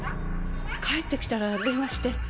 帰って来たら電話して。